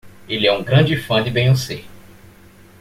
Ele é um grande fã de Beyoncé.